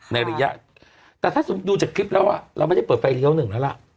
ระยะแต่ถ้าสมมุติดูจากคลิปแล้วเราไม่ได้เปิดไฟเลี้ยวหนึ่งแล้วล่ะ